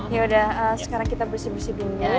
yaudah sekarang kita bersih bersih dunia